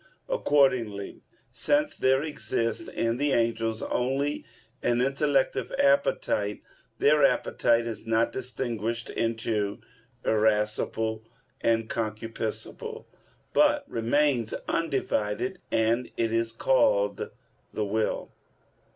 Accordingly, since there exists in the angels only an intellective appetite, their appetite is not distinguished into irascible and concupiscible, but remains undivided; and it is called the will.